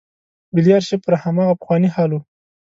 ملي آرشیف پر هماغه پخواني حال و.